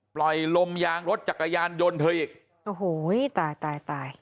ปล่อยลมยางรถจักรยานยนต์เธออีกโอ้โหตายตายตาย